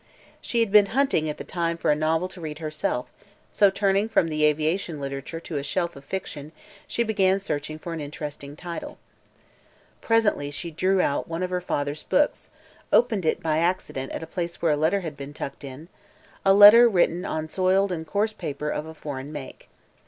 She had been hunting, at the time, for a novel to read herself, so turning from the aviation literature to a shelf of fiction she began searching for an interesting title. Presently, as she drew out one of her father's books, it opened by accident at a place where a letter had been tucked in a letter written on soiled and coarse paper of a foreign make.